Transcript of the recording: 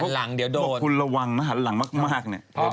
หลังเดี๋ยวโดนพวกขุลระวังนะหลังมาก